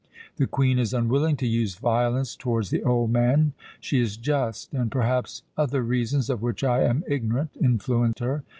The Queen is unwilling to use violence towards the old man She is just, and perhaps other reasons, of which I am ignorant, influence her.